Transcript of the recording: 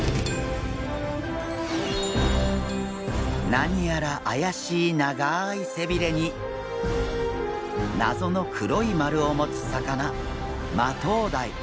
何やらあやしい長い背びれに謎の黒いまるを持つ魚マトウダイ。